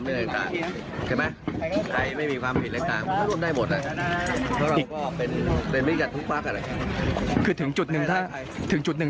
คือใครจะเดิน